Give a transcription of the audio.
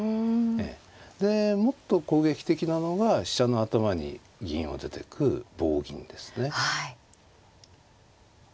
でもっと攻撃的なのが飛車の頭に銀を出てく棒銀ですね。